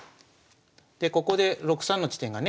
でここで６三の地点がね